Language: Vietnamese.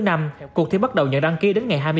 năm cuộc thi bắt đầu nhận đăng ký đến ngày